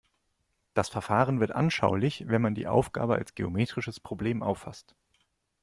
Das Verfahren wird anschaulich, wenn man die Aufgabe als geometrisches Problem auffasst.